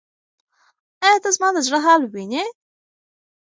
ایا ته زما د زړه حال وینې؟